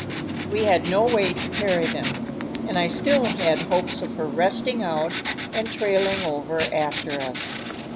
We had no way to carry them, and I still had hopes of her resting out and trailing over after us.